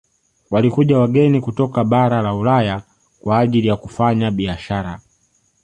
Walikuja wageni kutoka bara la ulaya kwa ajili ya kufanya biasahara